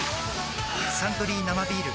「サントリー生ビール」